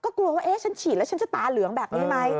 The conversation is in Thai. ก็กลัวว่าฉันฉีดแล้วฉันจะตาเหลืองแบบนี้ไหม